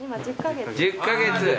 １０カ月。